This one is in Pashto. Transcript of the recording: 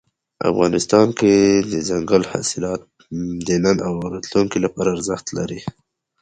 افغانستان کې دځنګل حاصلات د نن او راتلونکي لپاره ارزښت لري.